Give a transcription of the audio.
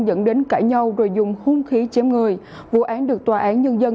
dẫn đến cãi nhau rồi dùng hung khí chém người vụ án được tòa án nhân dân